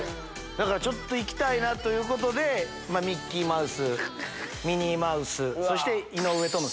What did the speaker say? だから行きたいということでミッキーマウスミニーマウス。